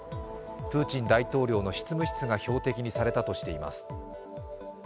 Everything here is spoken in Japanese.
プーチン大統領の執務室が標的にされたとしています。